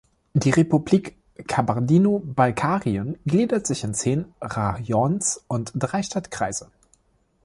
Die Republik Kabardino-Balkarien gliedert sich in zehn Rajons und drei Stadtkreise.